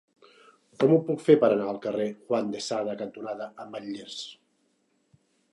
Com ho puc fer per anar al carrer Juan de Sada cantonada Ametllers?